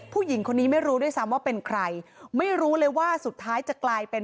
ผู้หญิงคนนี้ไม่รู้ด้วยซ้ำว่าเป็นใครไม่รู้เลยว่าสุดท้ายจะกลายเป็น